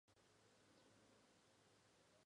刻叶紫堇为罂粟科紫堇属下的一个种。